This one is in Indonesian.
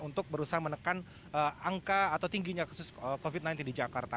untuk berusaha menekan angka atau tingginya kasus covid sembilan belas di jakarta